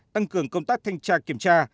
tăng cường công tác thanh tra kiểm tra